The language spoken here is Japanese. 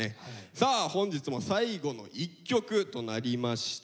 さあ本日も最後の一曲となりました。